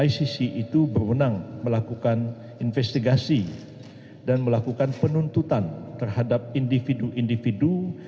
icc itu berwenang melakukan investigasi dan melakukan penuntutan terhadap individu individu